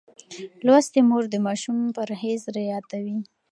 لوستې مور د ماشوم پرهېز رعایتوي.